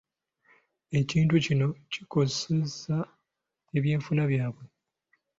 Ekintu kino kikosezza ebyenfuna byabwe.